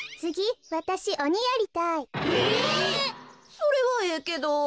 それはええけど。